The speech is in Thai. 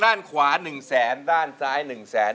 ด้านขวา๑แสนด้านซ้าย๑แสน